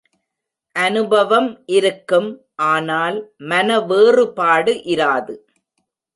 அநுபவம் இருக்கும் ஆனால் மனவேறுபாடு இராது.